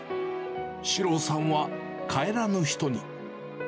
四朗さんは帰らぬ人に。